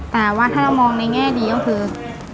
แต่ว่าถ้าเรามองในแง่ดีก็คือ